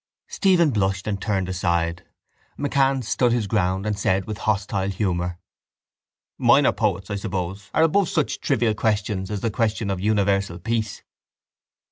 Stephen blushed and turned aside. MacCann stood his ground and said with hostile humour: —Minor poets, I suppose, are above such trivial questions as the question of universal peace.